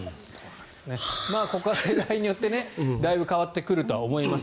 ここは世代によってだいぶ変わってくると思います。